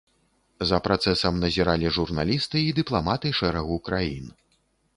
За працэсам назіралі журналісты і дыпламаты шэрагу краін.